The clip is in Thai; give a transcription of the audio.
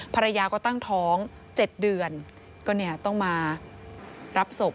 ภรรยาก็ตั้งท้อง๗เดือนก็ต้องรับศพ